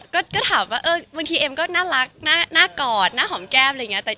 ก็ถามว่าบางทีเอ็มก็น่ารักน่ากอดหน้าหอมแก้มอะไรอย่างนี้